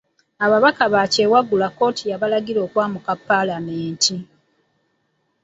Ababaka bakyewaggula kkooti yabalagira okwamuka paalamenti.